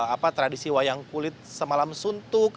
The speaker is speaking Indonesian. apa tradisi wayang kulit semalam suntuk